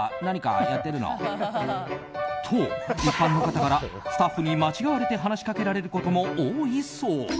と、一般の方からスタッフに間違われて話しかけられることも多いそう。